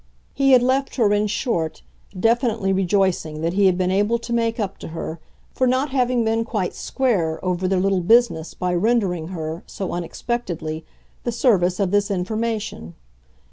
He had left her, in short, definitely rejoicing that he had been able to make up to her for not having been quite "square" over their little business by rendering her, so unexpectedly, the service of this information.